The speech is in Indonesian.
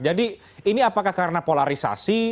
jadi ini apakah karena polarisasi